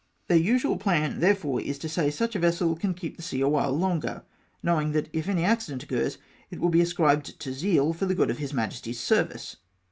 Their usual plan therefore is, to say such a vessel can keep the sea a while longer — knowing that if any accident occurs it will be ascribed to zeal for the good of His Majesty's service